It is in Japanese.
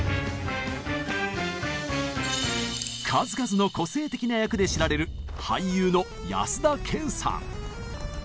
数々の個性的な役で知られる俳優の安田顕さん。